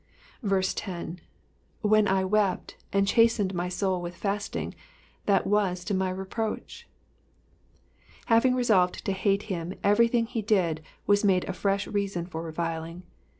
10. When Iwept^ and cliastentd my soul with fasting, that was to my reproach,^'' Having resolved to hate him, everything he did was made a fresh reason for reviling.